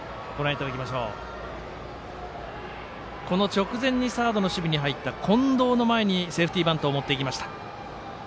直前にサードの守備に入った近藤の前にセーフティーバントを持っていきました。